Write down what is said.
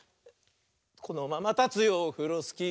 「このままたつよオフロスキー」